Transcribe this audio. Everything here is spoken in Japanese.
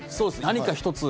何か一つ